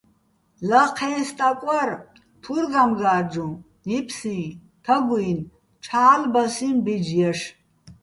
ლაჴეჼ სტაკ ვარ, თურ გამგა́რჯუჼ, ნიფსიჼ, თაგუჲნი̆, ჩა́ლბასიჼ ბეჯ ჲაშ.